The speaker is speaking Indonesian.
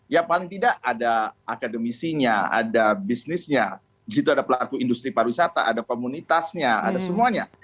ya paling tidak ada akademisinya ada bisnisnya di situ ada pelaku industri pariwisata ada komunitasnya ada semuanya